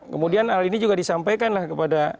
kemudian hal ini juga disampaikan lah kepada